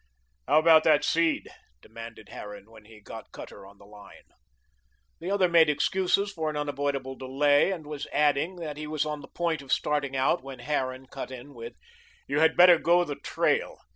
"How about that seed?" demanded Harran when he had got Cutter on the line. The other made excuses for an unavoidable delay, and was adding that he was on the point of starting out, when Harran cut in with: "You had better go the trail.